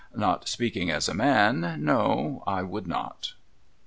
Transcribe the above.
Not speaking as a man, no, I would noi.'